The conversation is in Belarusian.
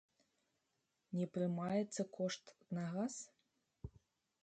Не прымаецца кошт на газ?